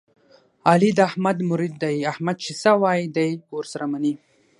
علي د احمد مرید دی، احمد چې څه وایي دی یې ور سره مني.